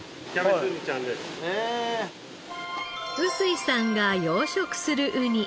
臼井さんが養殖するウニ